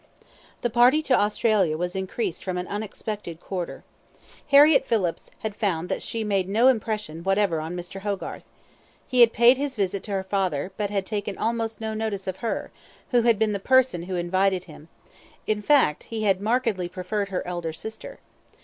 The party to Australia was increased from an unexpected quarter. Harriett Phillips had found that she had made no impression whatever on Mr. Hogarth. He had paid his visit to her father, but had taken almost no notice of her, who had been the person who invited him: in fact, he had markedly preferred her elder sister.